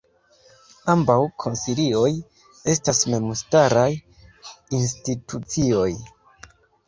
Ambaŭ konsilioj estas memstaraj institucioj.